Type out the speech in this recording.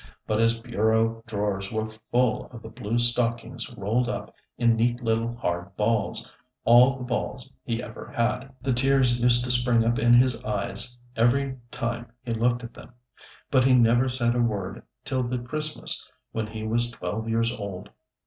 But his bureau drawers were full of the blue stockings rolled up in neat little hard balls all the balls he ever had; the tears used to spring up in his eyes every time he looked at them. But he never said a word till the Christmas when he was twelve years old.